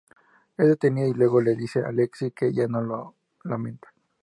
Es detenida, y luego le dice a Lexie que ella no lo lamenta.